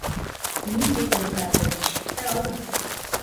— Дмитрий Поликарпович, тау!